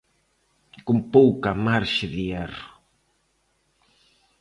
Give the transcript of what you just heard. Con pouca marxe de erro.